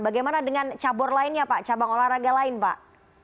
bagaimana dengan cabang olahraga lain pak